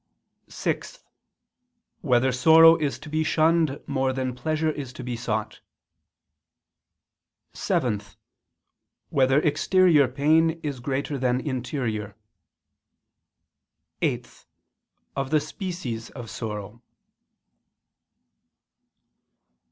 (6) Whether sorrow is to be shunned more than pleasure is to be sought? (7) Whether exterior pain is greater than interior? (8) Of the species of sorrow.